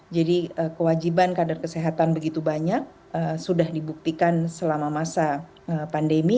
jadi kewajiban kader kesehatan begitu banyak sudah dibuktikan selama masa pandemi